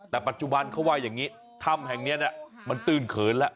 แต่ปัจจุบันเขาว่าอย่างนี้ถ้ำแห่งนี้มันตื้นเขินแล้ว